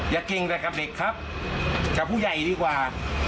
เก่งแต่กับเด็กครับกับผู้ใหญ่ดีกว่า